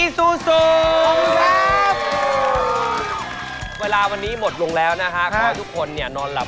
สุดท้ายแล้วน๊าฮาทีมของพี่หยองนะครับ